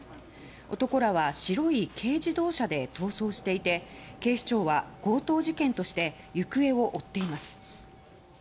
男らは白い軽自動車で逃走していて警視庁は強盗事件として行方を追っています。